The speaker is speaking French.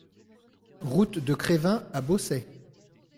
Route de Crevin à Bossey